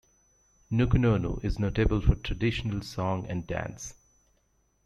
Nukunonu is notable for traditional song and dance.